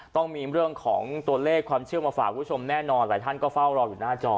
ต้องมีเรื่องของตัวเลขความเชื่อมาฝากคุณผู้ชมแน่นอนหลายท่านก็เฝ้ารออยู่หน้าจอ